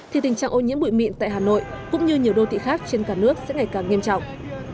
thì tình trạng ô nhiễm bụi mịn tại hà nội cũng như nhiều đô thị khác trên cả nước sẽ ngày càng nghiêm trọng